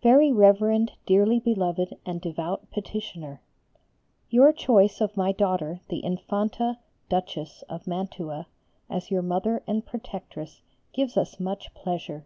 _ VERY REVEREND DEARLY BELOVED AND DEVOUT PETITIONER, Your choice of my daughter, the Infanta Duchess of Mantua, as your Mother and Protectress gives us much pleasure.